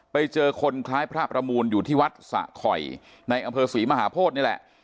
ไปเจอคนคล้ายพระประมูลอยู่ที่วัดสะข่อยในอำเภอศรีมหาโพธินี่แหละ